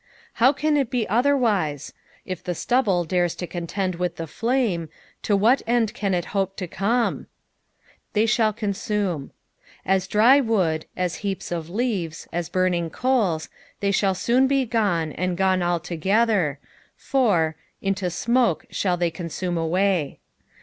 How can it be other wise ) If the stubble dares to contend with the Same, to what end can it hope to come t "They ihall ammma." As dry wood, as heaps of leaves, as burning coals, they shall soon be gone, and gone altogether, for " into smoke ihall they eon mime nuaj